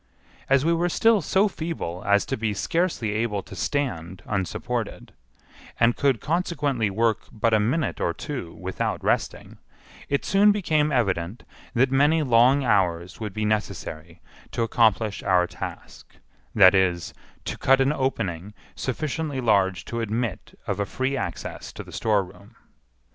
As we were still so feeble as to be scarcely able to stand unsupported, and could consequently work but a minute or two without resting, it soon became evident that many long hours would be necessary to accomplish our task—that is, to cut an opening sufficiently large to admit of a free access to the storeroom.